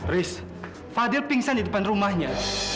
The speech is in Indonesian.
riz fadil pingsan di depan rumahnya